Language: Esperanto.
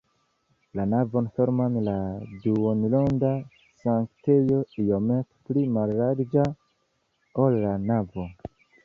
La navon fermas la duonronda sanktejo iomete pli mallarĝa, ol la navo.